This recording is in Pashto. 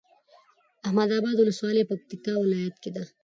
احمداباد ولسوالي پکتيا ولايت کي ده